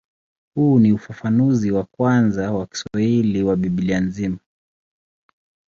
Huu ni ufafanuzi wa kwanza wa Kiswahili wa Biblia nzima.